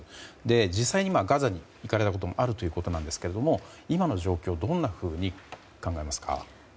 実際にガザに行かれたこともあるということですが今の状況をどんなふうに考えますか？